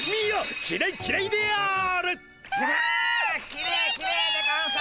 きれいきれいでゴンス！